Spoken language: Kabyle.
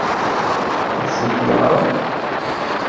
Ad sent-t-yeɛṛeḍ?